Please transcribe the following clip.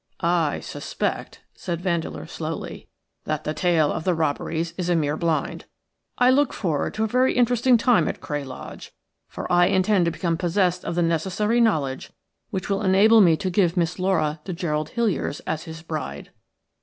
"I suspect," said Vandeleur, slowly, "that the tale of the robberies is a mere blind. I look forward to a very interesting time at Cray Lodge, for I intend to become possessed of the necessary knowledge which will enable me to give Miss Laura to Gerald Hiliers as his bride."